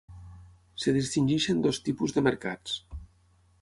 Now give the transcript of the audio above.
Es distingeixen dos tipus de mercats.